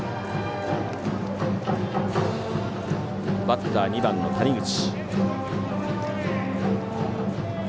バッター、２番の谷口。